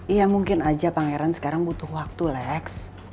ya mungkin aja pangeran sekarang butuh waktu lex